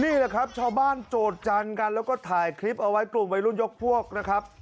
นี่แหละครับชาวบ้านโจทย์กันแล้วก็ถ่ายคลิปเอาไว้กลุ่มวัยรุ่นยกพวกนะครับ